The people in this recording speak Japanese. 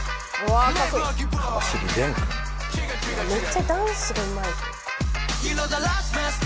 めっちゃダンスがうまい。